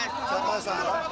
oh indiopi nggak masalah